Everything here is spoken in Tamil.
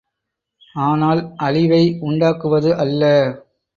ஆனால் அழிவை உண்டாக்குவது அல்ல.